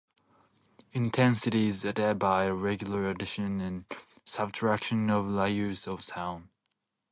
Intensity is added by the regular addition and subtraction of layers of sound.